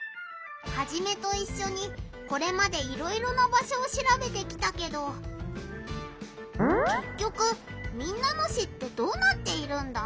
ハジメといっしょにこれまでいろいろな場所をしらべてきたけどけっきょく民奈野市ってどうなっているんだ？